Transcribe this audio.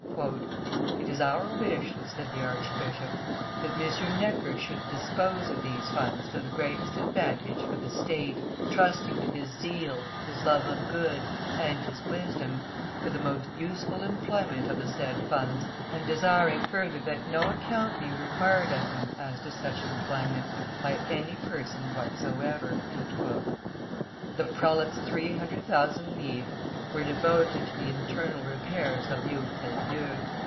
"It is our wish," said the archbishop, "that M. Necker should dispose of these funds to the greatest advantage for the state, trusting to his zeal, his love of good, and his wisdom, for the most useful employment of the said funds, and desiring further that no account be required of him, as to such employment, by any person whatsoever." The prelate's three hundred thousand livres were devoted to the internal repairs of the Hotel Dieu.